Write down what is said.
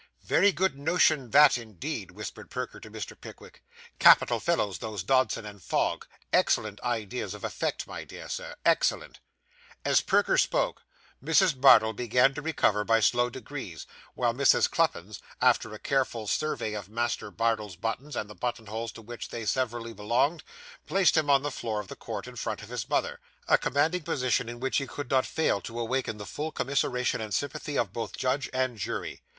'Very good notion that indeed,' whispered Perker to Mr. Pickwick. 'Capital fellows those Dodson and Fogg; excellent ideas of effect, my dear Sir, excellent.' As Perker spoke, Mrs. Bardell began to recover by slow degrees, while Mrs. Cluppins, after a careful survey of Master Bardell's buttons and the button holes to which they severally belonged, placed him on the floor of the court in front of his mother a commanding position in which he could not fail to awaken the full commiseration and sympathy of both judge and jury.